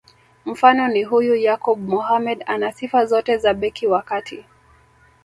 Mfano ni huyu Yakub Mohamed ana sifa zote za beki wa kati